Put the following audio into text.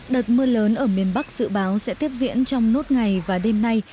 đợt mưa lớn ở miền bắc dự báo sẽ tiếp diễn trong nốt ngày và đêm nay